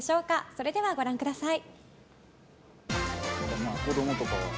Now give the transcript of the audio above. それではご覧ください。